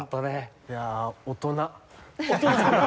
いやあ大人。